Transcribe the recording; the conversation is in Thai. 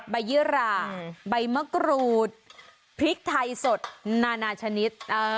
ใบยี่ราใบมะกรูดพริกไทยสดนานาชนิด